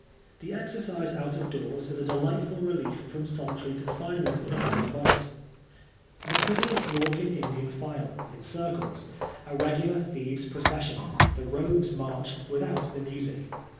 The exercise out of doors is a delightful relief from solitary confinement in a brick vault. The prisoners walk in Indian file in circles : a regular thieves' procession, the Rogue's March without the music.